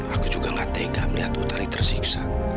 aku juga gak tega melihat utari tersiksa